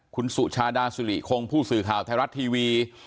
คุณสุชาดาสุริคงผู้สื่อข่าวไทยรัฐทีวี